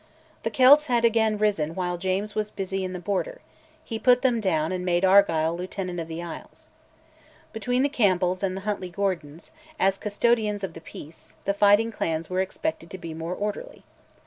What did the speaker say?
The Celts had again risen while James was busy in the Border; he put them down, and made Argyll Lieutenant of the Isles. Between the Campbells and the Huntly Gordons, as custodians of the peace, the fighting clans were expected to be more orderly.